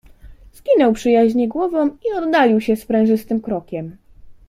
"Skinął przyjaźnie głową i oddalił się sprężystym krokiem."